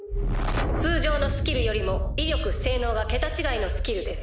「通常のスキルよりも威力性能が桁違いのスキルです」。